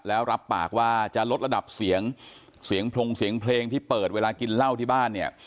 แล้วรับปากว่าจะลดระดับเสียงเสียงพรงเสียงเพลงที่เปิดเวลากินเหล้าที่บ้านเนี่ย